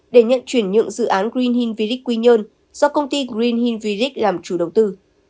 để nhận chuyển nhượng dự án green hill village quy nhơn do công ty green hill village làm chủ đầu tư